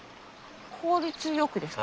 効率よくですか？